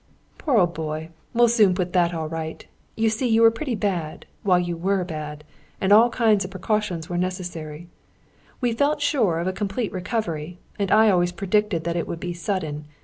"Poor old boy! We'll soon put all that right. You see you were pretty bad, while you were bad; and all kinds of precautions were necessary. We felt sure of a complete recovery, and I always predicted that it would be sudden.